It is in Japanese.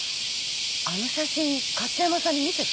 あの写真加津山さんに見せた？